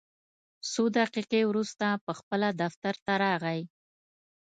څو دقیقې وروسته پخپله دفتر ته راغی.